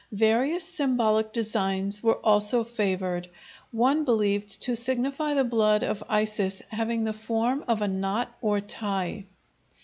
Various symbolic designs were also favored, one believed to signify the blood of Isis having the form of a knot or tie.